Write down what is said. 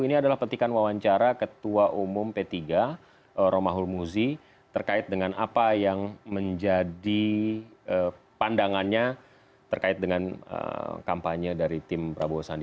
ini adalah petikan wawancara ketua umum p tiga romahul muzi terkait dengan apa yang menjadi pandangannya terkait dengan kampanye dari tim prabowo sandi